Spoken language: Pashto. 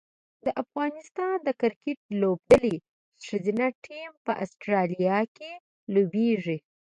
د افغانستان د کرکټ لوبډلې ښځینه ټیم په اسټرالیا کې لوبیږي